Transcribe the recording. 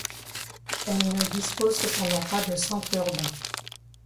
Elle ne dispose cependant pas de centre urbain.